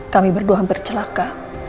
kami berdua hampir celaka